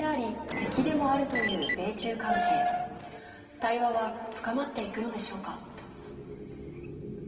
対話は深まっていくのでしょうか。